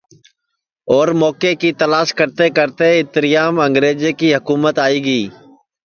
اور موکے کی تلاس کرتے کرتے اِتریام انگریجے کی حکُمت آئی گی